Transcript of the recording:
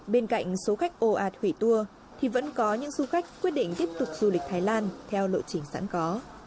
bên cạnh số khách ồ ạt hủy tour thì vẫn có những du khách quyết định tiếp tục du lịch thái lan theo lộ trình sẵn có